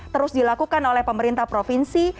terus dilakukan oleh pemerintah provinsi